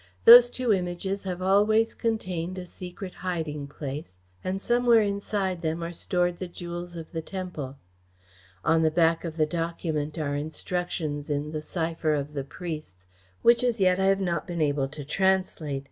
"Those two Images have always contained a secret hiding place, and somewhere inside them are stored the jewels of the temple. On the back of the document are instructions in the cipher of the priests, which as yet I have not been able to translate.